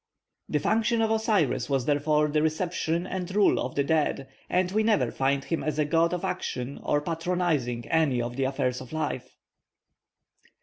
The function of Osiris was therefore the reception and rule of the dead, and we never find him as a god of action or patronising any of the affairs of life.